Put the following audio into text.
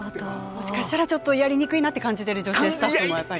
もしかしたらちょっとやりにくいなって感じてる女性スタッフもやっぱり。